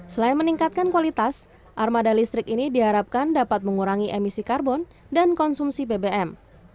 selain meningkatkan kualitas armada listrik ini diharapkan dapat mengurangi emisi karbon dan konsumsi bbm